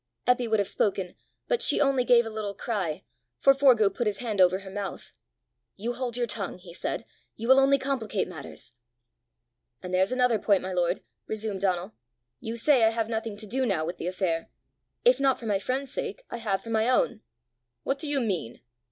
Eppy would have spoken; but she only gave a little cry, for Forgue put his hand over her mouth. "You hold your tongue!" he said; "you will only complicate matters!" "And there's another point, my lord," resumed Donal: "you say I have nothing to do now with the affair: if not for my friend's sake, I have for my own." "What do you mean?"